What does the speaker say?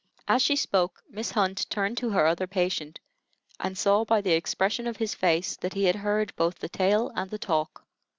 As she spoke, Miss Hunt turned to her other patient, and saw by the expression of his face that he had heard both the tale and the talk.